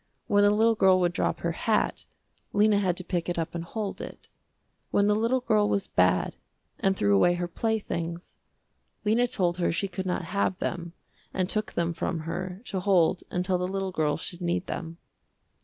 When the little girl would drop her hat, Lena had to pick it up and hold it. When the little girl was bad and threw away her playthings, Lena told her she could not have them and took them from her to hold until the little girl should need them.